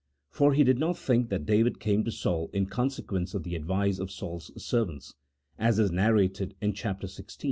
For he did not think that David came to Saul in consequence of the advice of Saul's servants, as is narrated in chap, xvi.